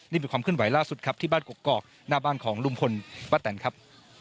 นี่เป็นความขึ้นไหวล่าสุดครับที่บ้านกรกหน้าบ้านของลุมพลปะแต่ลครับ